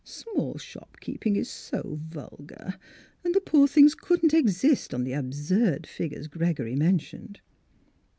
Small shop keeping is so vulgar, and the poor things couldn't exist on the absurd figures Gregory mentioned."